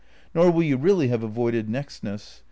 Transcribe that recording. Nor will you really have avoided nextness.